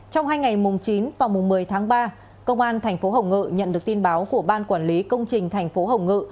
trong hai ngày chín và một mươi tháng ba công an tp hồng ngự nhận được tin báo của ban quản lý công trình tp hồng ngự